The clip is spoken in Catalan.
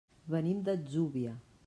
Venim de l'Atzúvia.